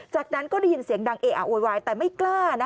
จากนั้นก็ได้ยินเสียงดังเออะโวยวายแต่ไม่กล้า